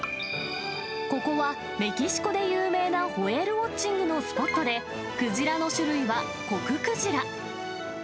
ここは、メキシコで有名なホエールウォッチングのスポットでクジラの種類はコククジラ。